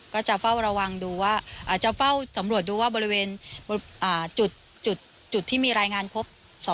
ก็จะเฝ้าสำรวจดูว่าบริเวณจุดที่มีรายงานพบ